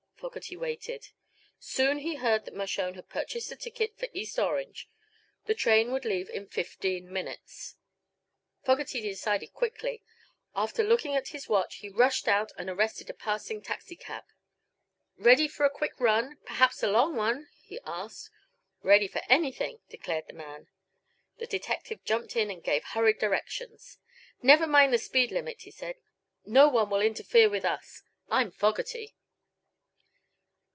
Fogerty waited. Soon he learned that Mershone had purchased a ticket for East Orange. The train would leave in fifteen minutes. Fogerty decided quickly. After looking at his watch he rushed out and arrested a passing taxicab. "Ready for a quick run perhaps a long one?" he asked. "Ready for anything," declared the man. The detective jumped in and gave hurried directions. "Never mind the speed limit," he said. "No one will interfere with us. I'm Fogerty."